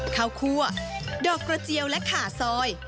คั่วดอกกระเจียวและขาซอย